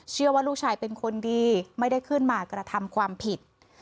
เชื่อว่าลูกชายเป็นคนดีไม่ได้ขึ้นมากระทำความผิด